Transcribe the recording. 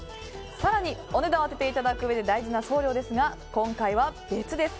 更にお値段を当てていただくうえで大事な送料ですが今回は別です